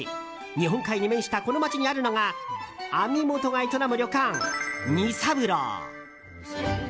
日本海に面したこの街にあるのが網元が営む旅館、仁三郎。